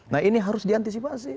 nah ini harus diantisipasi